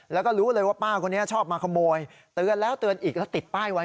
แล้วก็รู้เลยว่าป้าคนนี้ชอบมาขโมยเตือนแล้วเตือนอีกแล้วติดป้ายไว้